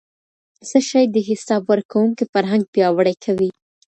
څه شی د حساب ورکونې فرهنګ پیاوړی کوي؟